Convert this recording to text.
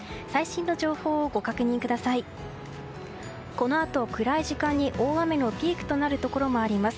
このあと暗い時間帯に大雨のピークとなるところがあります。